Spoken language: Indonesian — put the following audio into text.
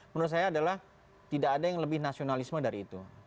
menurut saya adalah tidak ada yang lebih nasionalisme dari itu